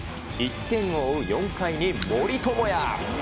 １点を追う４回に森友哉。